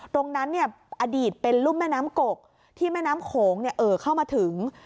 ตรงนั้นอดีตเป็นรุ่มแม่น้ำกกที่แม่น้ำโขงเอ่อเข้ามาถึง